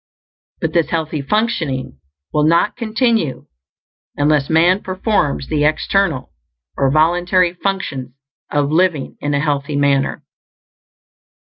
But this healthy functioning will not continue unless man performs the external, or voluntary, functions of living in a healthy manner.